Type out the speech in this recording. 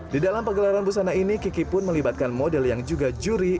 di dalam pegelaran busana ini kiki pun melibatkan model yang juga juri